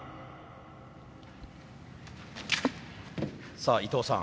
さあ伊藤さん